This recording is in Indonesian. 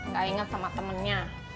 gak inget sama temennya